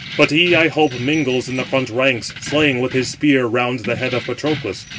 "But he, I hope, mingles in the front ranks, slaying with his spear round the head of Patroclus."